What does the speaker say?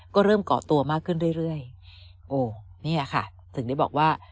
ก็เริ่มเกาะตัวมากขึ้นเรื่อยเรื่อยโอ้เนี่ยค่ะถึงได้บอกว่า